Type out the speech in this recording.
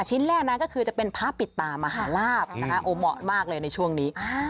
ชิ้นแรกนะก็คือจะเป็นพระปิดตามหาลาบนะคะโอ้เหมาะมากเลยในช่วงนี้